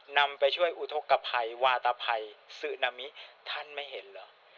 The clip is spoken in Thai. นำไปช่วยอุทธกภัยวาตภัยซึนามิท่านไม่เห็นเหรอ